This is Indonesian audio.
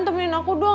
temenin aku doang